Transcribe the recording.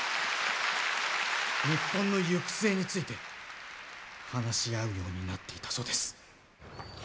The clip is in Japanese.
日本の行く末について話し合うようになっていたそうです。